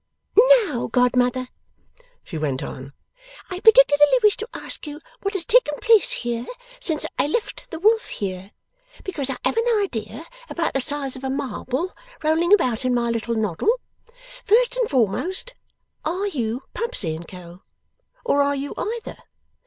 'Now, godmother,' she went on, 'I particularly wish to ask you what has taken place here, since I left the wolf here? Because I have an idea about the size of a marble, rolling about in my little noddle. First and foremost, are you Pubsey and Co., or are you either?